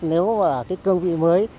nếu là cái cương vị mới